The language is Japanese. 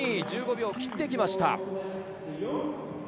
１５秒切ってきました。